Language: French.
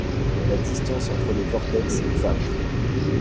la distance entre les vortex varie